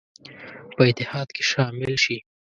په اتحاد کې شامل شي.